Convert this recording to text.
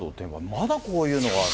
まだこういうのがある。